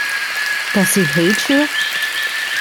Does he hate you?